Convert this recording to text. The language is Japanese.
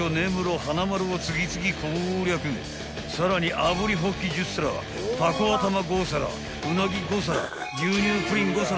［さらに炙りほっき１０皿たこ頭５皿うなぎ５皿牛乳プリン５皿を追加］